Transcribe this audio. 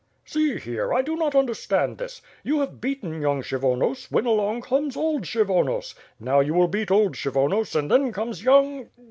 "See here, I do not understand this. You have beaten young Kshyvonos, when along comes old Kshyvonos. Now you will beat old Kshyvonos, and then comes young